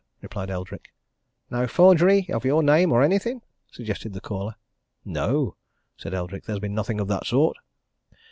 replied Eldrick. "No forgery of your name or anything?" suggested the caller. "No," said Eldrick. "There's been nothing of that sort."